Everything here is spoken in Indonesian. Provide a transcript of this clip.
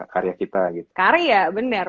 karya kita gitu karya bener